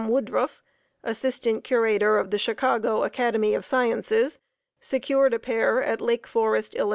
Woodruff, Assistant Curator of the Chicago Academy of Sciences, secured a pair at Lake Forest, Ill.